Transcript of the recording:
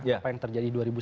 apa yang terjadi dua hari ini